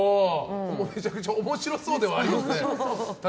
めちゃくちゃ面白そうではありますね。